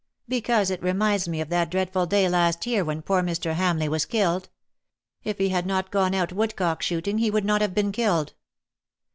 " Because it reminds me of that dreadful day last year when poor Mr. Hamleigh was killed. If he had not gone out woodcock shooting he would not have been killed."